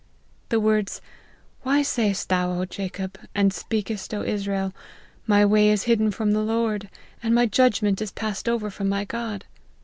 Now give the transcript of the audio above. The words, ' Why sayest thou, Jacob, and speakest, O Israel, My way is hid from the Lord, and my judgment is passed over from my God?'